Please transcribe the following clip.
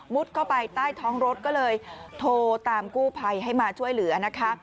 เข้าไปใต้ท้องรถก็เลยโทรตามกู้ภัยให้มาช่วยเหลือนะคะ